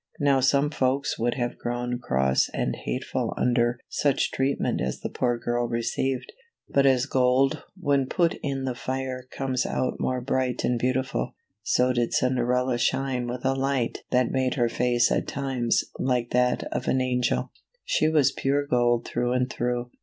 Now some folks would have grown cross and hateful under such treatment as the poor girl received ; but as gold when put in the fire comes out more bright and beautiful, so did Cinderella shine with a light that made her face at times like that of an angel. She was pure gold through and through.